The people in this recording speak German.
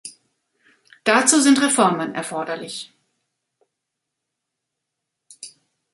Dazu sind Reformen erforderlich.